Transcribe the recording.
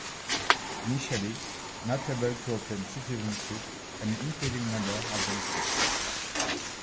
Initially not able to obtain citizenship, an increasing number have done so.